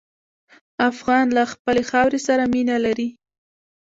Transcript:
افغان له خپلې خاورې سره مینه لري.